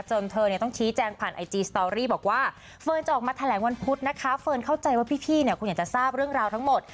เธอเนี่ยต้องชี้แจงผ่านไอจีสตอรี่บอกว่าเฟิร์นจะออกมาแถลงวันพุธนะคะเฟิร์นเข้าใจว่าพี่เนี่ยคงอยากจะทราบเรื่องราวทั้งหมด